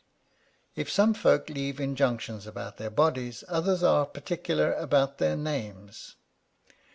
If some folk leave injunctions about their bodies, others are as particular about their names.